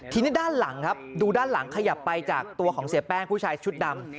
ทีนี้ด้านหลังครับดูด้านหลังขยับไปจากตัวของเสียแป้งผู้ชายชุดดำ